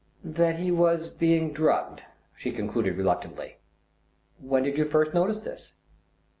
"That he was being drugged," she concluded reluctantly. "When did you first notice this?"